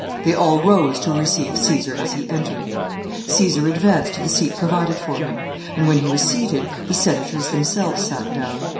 They all rose to receive Caesar as he entered. Caesar advanced to the seat provided for him, and, when he was seated, the senators themselves sat down.